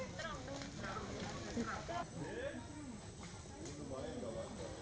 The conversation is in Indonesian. aku bisa tanpa kebiasaannya prestigious